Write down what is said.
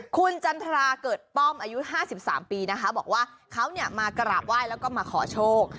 คุณจันทราเกิดป้อมอายุห้าสิบสามปีนะคะบอกว่าเขาเนี่ยมากระหลาบไหว้แล้วก็มาขอโชค